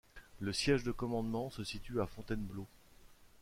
Le siège de commandement se situe à Fontainebleau.